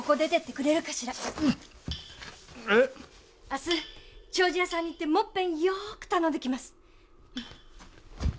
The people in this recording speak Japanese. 明日丁字屋さんに行ってもっぺんよく頼んできます。